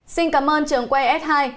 xin cảm ơn trường quay s hai